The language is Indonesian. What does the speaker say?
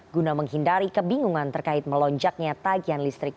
guna menghindari kebingungan terkait melonjaknya tagihan listrik